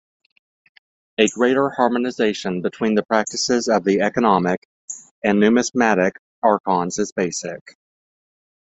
A greater harmonization between the practices of the economic and numismatic archons is basic.